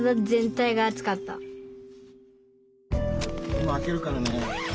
今開けるからね。